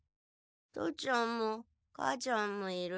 父ちゃんも母ちゃんもいる。